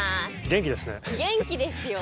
元気ですよ！